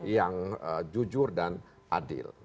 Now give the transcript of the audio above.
yang jujur dan adil